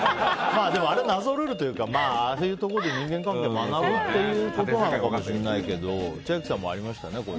でもあれ謎ルールというかああいうところで人間関係学ぶってことなのかもしれないけどありました。